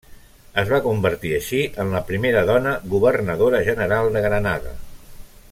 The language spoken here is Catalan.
Es va convertir així en la primera dona Governadora General de Granada.